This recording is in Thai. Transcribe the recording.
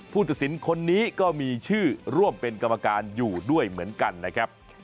ผู้ตัดสินคนนี้ก็มีชื่อร่วมเป็นกรรมการอยู่ด้วยเหมือนกันนะครับ